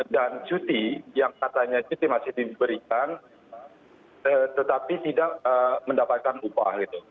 dan cuti yang katanya cuti masih diberikan tetapi tidak mendapatkan upah